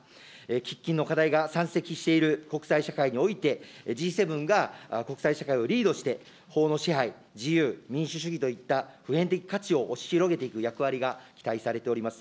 喫緊の課題が山積している国際社会において、Ｇ７が国際社会をリードして、法の支配、自由、民主主義といった普遍的価値を押し広げていく役割が期待されております。